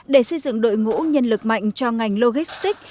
để xây dựng đội ngũ nhân lực mạnh cho ngành logistics